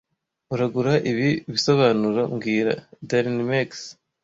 Uragura ibi bisobanuro mbwira (darinmex)